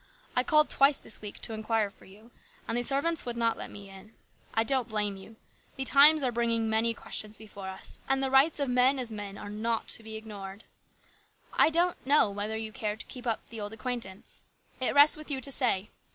I called twice this week to inquire for you, and the servants would not let me in. I don't blame you. The times are bringing many questions before us, and the rights of men as men are not to be ignored. I don't know whether you care to keep up the old acquaintance. It rests with you to say.